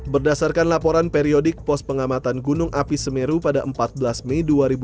berdasarkan laporan periodik pos pengamatan gunung api semeru pada empat belas mei dua ribu dua puluh